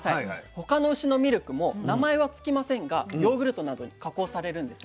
他の牛のミルクも名前は付きませんがヨーグルトなどに加工されるんですね。